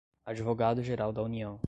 advogado-geral da União